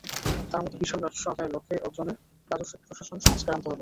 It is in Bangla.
তাঁর মতে, বিশাল রাজস্ব আদায়ের লক্ষ্য অর্জনে রাজস্ব প্রশাসনে সংস্কার আনতে হবে।